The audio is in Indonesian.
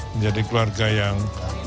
menjadi keluarga yang